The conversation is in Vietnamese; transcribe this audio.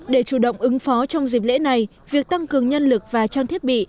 để chủ động ứng phó trong dịp lễ này việc tăng cường nhân lực và trang thiết bị